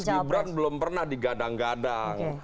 mas gibran belum pernah digadang gadang